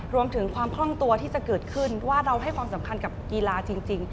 รวมถึงความคล่องตัวที่จะเกิดขึ้นว่าเราให้ความสำคัญกับกีฬาจริง